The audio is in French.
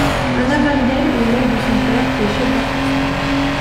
Anna Van Ghell est l'élève de son père qui est chef d'orchestre.